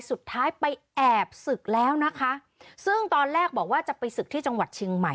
สุดท้ายไปแอบศึกแล้วนะคะซึ่งตอนแรกบอกว่าจะไปศึกที่จังหวัดเชียงใหม่